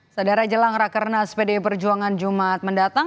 saudara jelang rakernas pdi perjuangan jumat mendatang